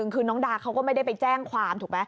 คือน้องดาเขาก็ไม่ได้ไปแจ้งความถูกไหม